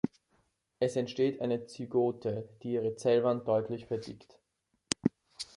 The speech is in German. Es entsteht eine Zygote, die ihre Zellwand deutlich verdickt.